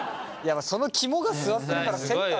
その肝が据わってるからセンターだよ。